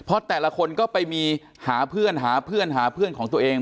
เพราะแต่ละคนก็ไปมีหาเพื่อนหาเพื่อนหาเพื่อนของตัวเอง